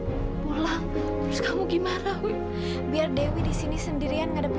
ibu harus rela kalau ibu harus kehilangan kamu